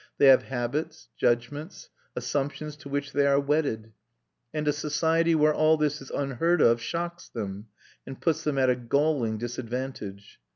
They have habits, judgments, assumptions to which they are wedded, and a society where all this is unheard of shocks them and puts them at a galling disadvantage.